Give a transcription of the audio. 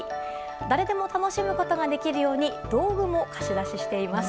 誰でも楽しむことができるように道具も貸し出しています。